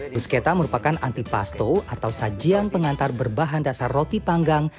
bruschetta merupakan antipasto atau sajian pengantar berbahan dasar roti panggang